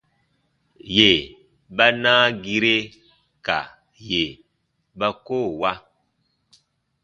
Yè ba naa gire ka yè ba koo wa.